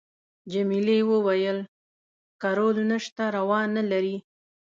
جميلې وويل:: که رول نشته پروا نه لري.